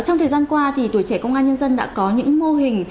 trong thời gian qua tuổi trẻ công an nhân dân đã có những mô hình